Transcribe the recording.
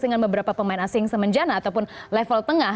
dengan beberapa pemain asing semenjana ataupun level tengah